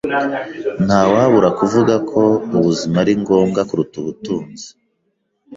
Ntawabura kuvuga ko ubuzima ari ngombwa kuruta ubutunzi. .